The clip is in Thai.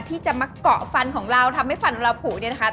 ที่จะมาเกาะฟันของเราทำให้ฟันของเราผูเนี่ยนะคะ